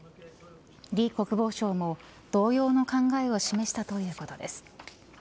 李国防相も同様の考えを示したということです。